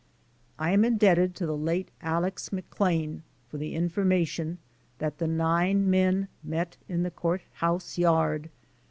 I am indebted to the late Alex. McClain for the informa tion that the nine men met in the Court House yard.